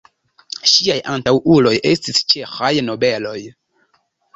Ŝiaj antaŭuloj estis ĉeĥaj nobeloj.